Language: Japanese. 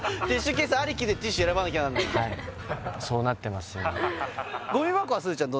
ケースありきでティッシュ選ばなきゃなんないんだすずちゃん